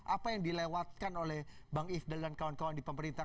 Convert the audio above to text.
apa yang dilewatkan oleh bang ifdal dan kawan kawan di pemerintah